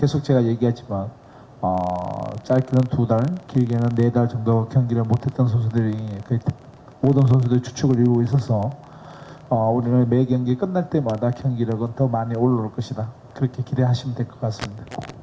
saya berpikir bahwa setiap pertandingan akan lebih menaik